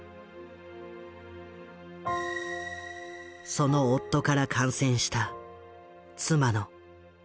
その夫から感染した妻のローレン。